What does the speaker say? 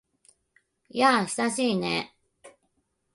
やあ、久しいね。